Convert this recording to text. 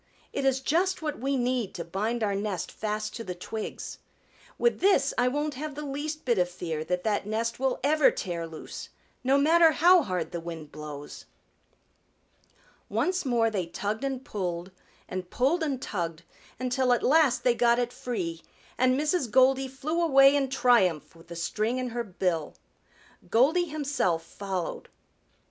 It is just what we need to bind our nest fast to the twigs. With this I won't have the least bit of fear that that nest will ever tear loose, no matter how hard the wind blows." Once more they tugged and pulled and pulled and tugged until at last they got it free, and Mrs. Goldy flew away in triumph with the string in her bill. Goldy himself followed.